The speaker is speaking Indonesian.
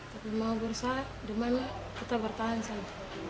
tapi mau bersalah di mana kita bertahan saja